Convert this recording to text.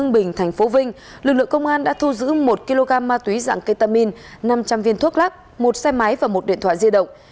bình tp vinh lực lượng công an đã thu giữ một kg ma túy dạng ketamin năm trăm linh viên thuốc lắc một xe máy và một điện thoại di động